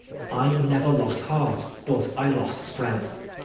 I never lost heart, but I lost strength.